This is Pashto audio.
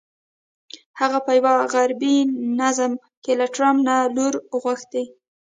هغه په یوه عربي نظم کې له ټرمپ نه لور غوښتې.